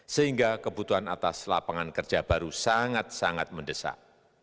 sehingga kebutuhan atas lapangan kerja baru sangat sangat mendesak